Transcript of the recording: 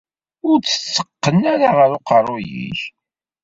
Ur tt-tteqqen ara ɣer uqerruy-ik.